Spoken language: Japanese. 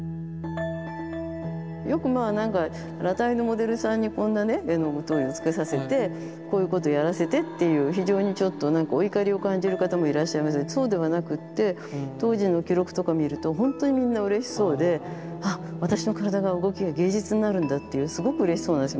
よくまあなんか裸体のモデルさんにこんなね絵の具塗料をつけさせてこういうことをやらせてっていう非常にちょっとなんかお怒りを感じる方もいらっしゃいますけどそうではなくって当時の記録とか見るとほんとにみんなうれしそうであっ私の体が動きが芸術になるんだっていうすごくうれしそうなんです